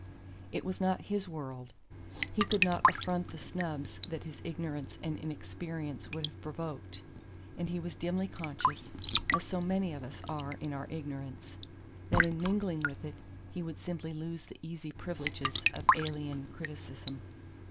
It was not HIS world; he could not affront the snubs that his ignorance and inexperience would have provoked, and he was dimly conscious, as so many of us are in our ignorance, that in mingling with it he would simply lose the easy privileges of alien criticism.